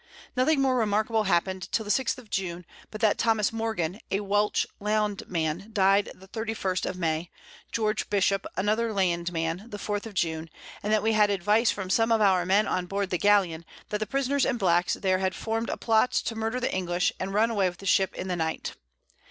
Nothing more remarkable happen'd till the 6th of June, but that Thomas Morgan, a Welch Land man, died the 31st of May; George Bishop, another Land man, the 4th of June; and that we had Advice from some of our Men on board the Galeon, that the Prisoners and Blacks there had form'd a Plot to murder the English, and run away with the Ship in the Night.